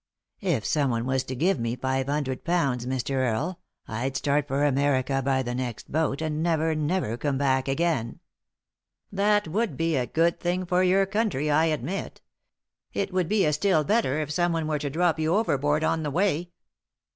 If someone was to give me five hundred pounds, Mr. Earie, I'd start for America by the next boat, and never, never come back again." "That would be a good thing for your country, I admit It would be a still better if someone were to drop you overboard on the way."